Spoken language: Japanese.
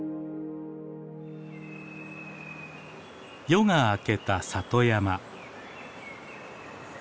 夜が明けた里山。